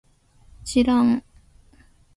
しらん